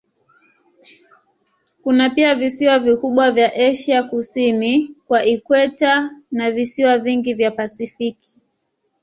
Kuna pia visiwa vikubwa vya Asia kusini kwa ikweta na visiwa vingi vya Pasifiki.